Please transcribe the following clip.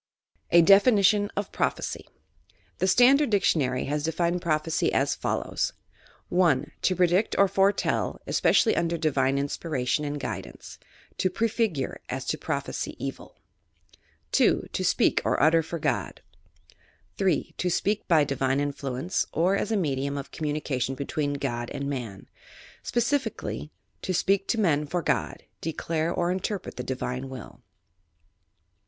A DEPWmON OP PBOPHECY The Standard Dictionary has defined prophecy as follows :— 1. To predict or foretell, especially tmder divine in miration and guidance; to prefigure, as to prophesy evil. 2. To speak or utter for God. 3. To speak by divine influence, or as a medium of communication between God and Man. Specifically : To apeak to men for God) declare or interpret the divine will.